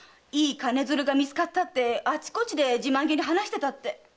「いい金蔓が見つかった」ってあちこちで自慢げに話してたって。